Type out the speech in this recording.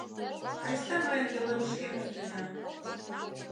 Айста мыйын пӧлемышкем эртена.